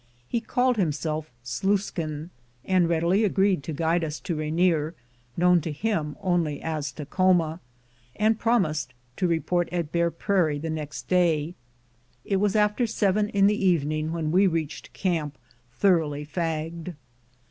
He called himself ''Sluiskin/' and readily agreed to guide us to Rainier, known to him only as Takhoma, and promised to report at Bear Prairie the next day. It was after seven in the evening when we reached camp, thoroughly fagged.